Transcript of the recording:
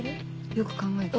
よく考えて。